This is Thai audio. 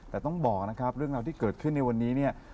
แต่ต้องบอกเรื่องราวที่เกิดขึ้นในวันนี้นะครับ